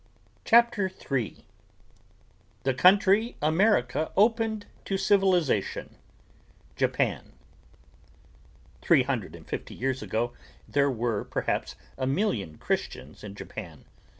CHAPTER III THE COUNTRY AMERICA OPENED TO CIVILIZATION JAPAN Three hundred and fifty years ago there were perhaps a million Christians in Japan.